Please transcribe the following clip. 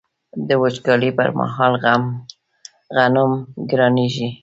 د وچکالۍ پر مهال غنم ګرانیږي.